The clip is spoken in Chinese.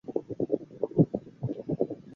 不必说碧绿的菜畦，光滑的石井栏